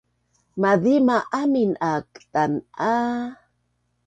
mazima amin aak tan’a